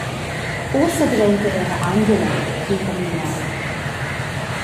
Ussa daventa era Angela pli familiara.